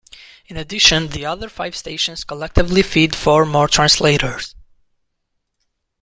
In addition, the other five stations collectively feed four more translators.